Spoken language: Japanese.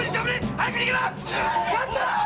早く逃げろ！